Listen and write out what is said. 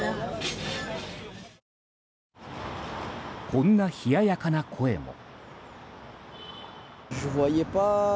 こんな冷ややかな声も。